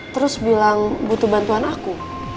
terus bilang butuh bantuan aku